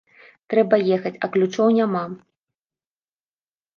Трэба ехаць, а ключоў няма.